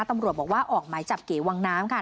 ตำรวจบอกว่าออกหมายจับเก๋วังน้ำค่ะ